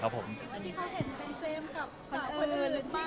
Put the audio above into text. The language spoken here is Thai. ถ้าเห็นเป็นเจมส์กับสาวคนอื่นหรือเปล่า